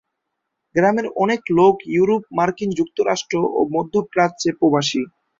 গ্রামের অনেক লোক ইউরোপ, মার্কিন যুক্তরাষ্ট্র ও মধ্যপ্রাচ্যে প্রবাসী।